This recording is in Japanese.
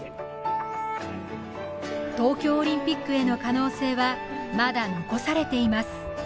東京オリンピックへの可能性はまだ残されています